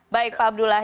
baik pak abdullah